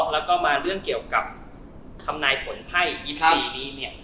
แล้วก็มาเรื่องเกี่ยวกับทำนายผลไพ่๒๔นี้เนี่ย